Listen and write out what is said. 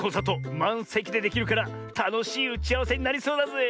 まんせきでできるからたのしいうちあわせになりそうだぜえ。